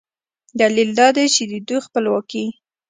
دلیل دا دی چې د دوی خپلواکي